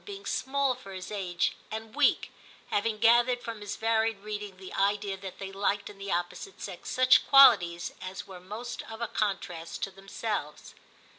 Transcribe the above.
being small for his age and weak, having gathered from his varied reading the idea that they liked in the opposite sex such qualities as were most of a contrast to them selves.